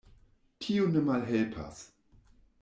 Tio ne malhelpas.